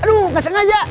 aduh ga sengaja